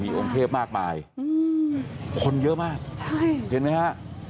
องค์เทพมากมายอืมคนเยอะมากใช่เห็นไหมฮะ